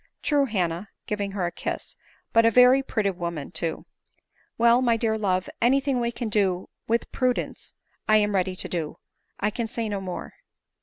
" True, Hannah," giving her a kiss, " and a very pretty woman too." ADELINE MOWBRAY. U3 " Well, ray dear love, any thing we can do with pru dence I am ready to do ; I can say no more."